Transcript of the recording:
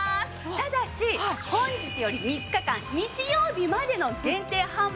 ただし本日より３日間日曜日までの限定販売となっております。